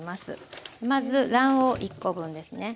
まず卵黄１コ分ですね。